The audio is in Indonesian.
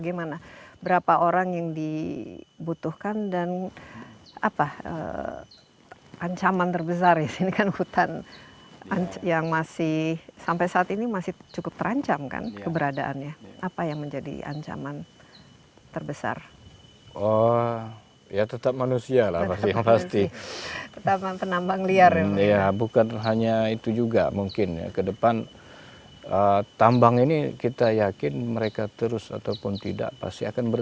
ini juga merupakan salah satu kekayaan dan keunikan dari hutan ini